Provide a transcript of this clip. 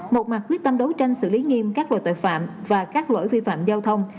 một mặt quyết tâm đấu tranh xử lý nghiêm các loại tội phạm và các lỗi vi phạm giao thông